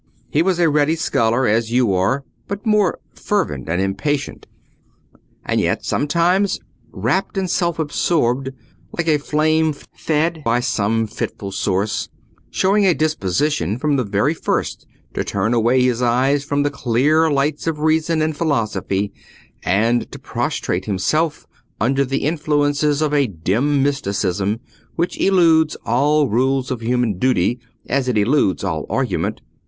He was a ready scholar as you are, but more fervid and impatient, and yet sometimes rapt and self absorbed, like a flame fed by some fitful source; showing a disposition from the very first to turn away his eyes from the clear lights of reason and philosophy, and to prostrate himself under the influences of a dim mysticism which eludes all rules of human duty as it eludes all argument.